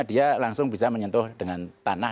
dia langsung bisa menyentuh dengan tanah